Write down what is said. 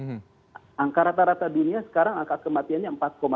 angka rata rata dunia sekarang angka kematiannya empat lima